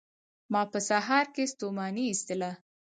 ما په سهار کې ستوماني ایستله